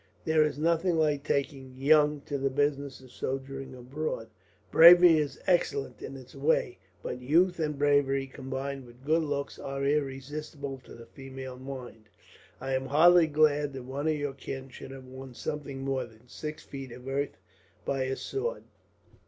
There is nothing like taking young to the business of soldiering abroad. Bravery is excellent in its way; but youth and bravery, combined with good looks, are irresistible to the female mind. I am heartily glad that one of our kin should have won something more than six feet of earth by his sword.